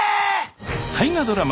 大河ドラマ